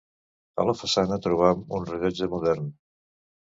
A la façana trobam un rellotge modern.